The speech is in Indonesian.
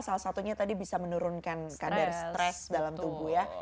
salah satunya tadi bisa menurunkan kadar stres dalam tubuh ya